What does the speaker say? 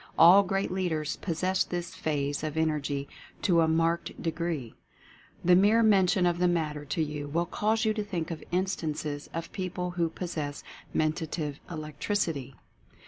All great leaders possess this phase of Energy to a marked de gree. The mere mention of the matter to you will cause you to think of instances of people who pos sess Mentative "Electricity."